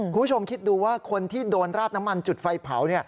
คุณผู้ชมคิดดูว่าคนที่โดนราดน้ำมันจุดไฟเผา